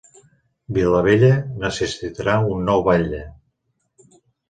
Vilavella necessitarà un nou batlle